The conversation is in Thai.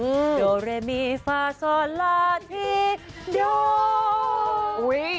ไม่มีฟ้าสละที่เดียว